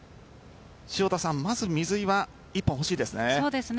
まず水井は１本欲しいですね。